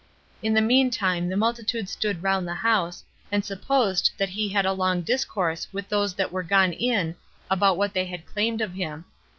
In the mean time the multitude stood round the house, and supposed that he had a long discourse with those that were gone in about what they claimed of him.